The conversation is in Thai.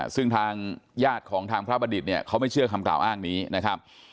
ซึ่งทางญาติของทางพระบัณฑิตเนี่ยเขาไม่เชื่อคำกล่าวอ้างนี้นะครับ